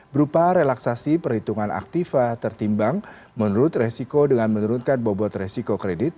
berupa relaksasi perhitungan aktifa tertimbang menurut resiko dengan menurunkan bobot resiko kredit